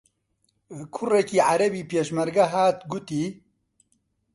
کوڕێکی عەرەبی پێشمەرگە هات گوتی: